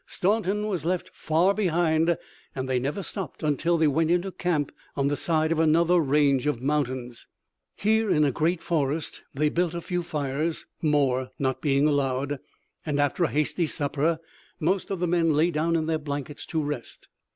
Staunton was left far behind and they never stopped until they went into camp on the side of another range of mountains. Here in a great forest they built a few fires, more not being allowed, and after a hasty supper most of the men lay down in their blankets to rest.